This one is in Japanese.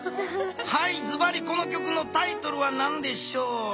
はいずばりこの曲のタイトルはなんでしょう？